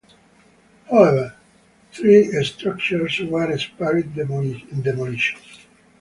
However, three structures were spared demolition.